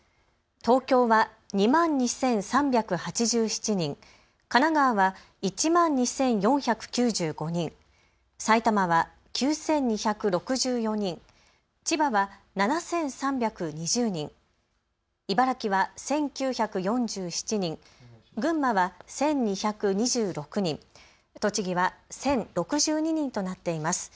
東京は２万２３８７人、神奈川は１万２４９５人、埼玉は９２６４人、千葉は７３２０人、茨城は１９４７人、群馬は１２２６人、栃木は１０６２人となっています。